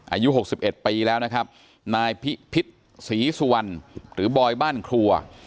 อายุหกสิบเอ็ดปีแล้วนะครับนายพิษศรีสวรหรือบอยบ้านครัว